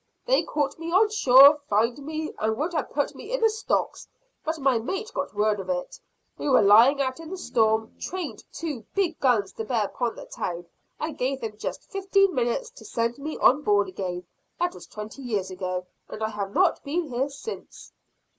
"They caught me on shore, fined me, and would have put me in the stocks; but my mate got word of it, we were lying out in the storm, trained two big guns to bear upon the town, and gave them just fifteen minutes to send me on board again. That was twenty years ago, and I have not been here since."